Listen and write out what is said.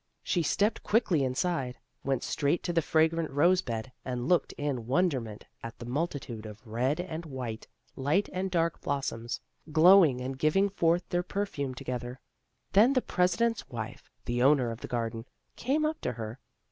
She stepped quickly inside, went straight to the fragrant rose bed and looked in wonder ment at the multitude of red and white, light and dark blossoms, glowing and giving forth their perfume together. Then the President's wife, the owner of the garden, came up to her.